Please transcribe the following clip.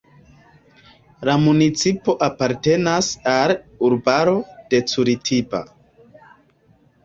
La municipo apartenas al urbaro de Curitiba.